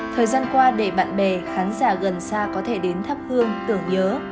thời gian qua để bạn bè khán giả gần xa có thể đến thắp hương tưởng nhớ